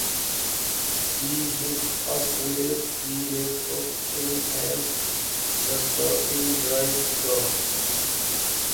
He picked up where he left off in as the starting right guard.